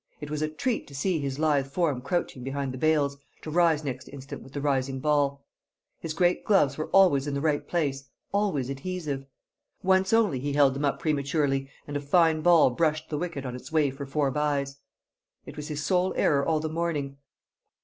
It was a treat to see his lithe form crouching behind the bails, to rise next instant with the rising ball; his great gloves were always in the right place, always adhesive. Once only he held them up prematurely, and a fine ball brushed the wicket on its way for four byes; it was his sole error all the morning.